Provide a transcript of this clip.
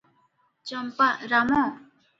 Champa - Ram!